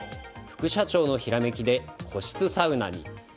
副社長のひらめきで個室サウナに。